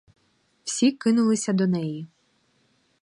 Всі кинулися до неї.